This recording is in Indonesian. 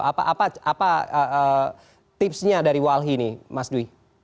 apa tipsnya dari walhi ini mas dwi